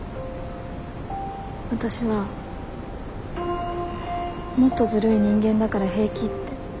わたしはもっとずるい人間だから平気って。